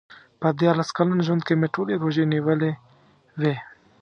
په دیارلس کلن ژوند کې مې ټولې روژې نیولې وې.